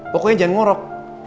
pokoknya jangan ngorok